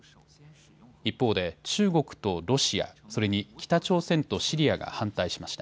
一方で中国とロシア、それに北朝鮮とシリアが反対しました。